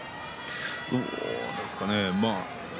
どうですかね。